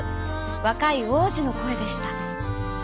わかいおうじのこえでした。